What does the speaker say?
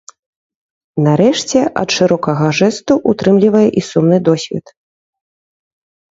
Нарэшце, ад шырокага жэсту ўтрымлівае і сумны досвед.